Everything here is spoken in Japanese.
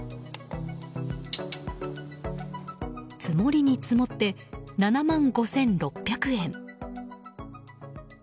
積もりに積もって７万５６００円。